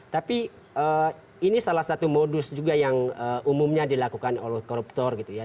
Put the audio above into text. tapi ini salah satu modus juga yang umumnya dilakukan oleh koruptor gitu ya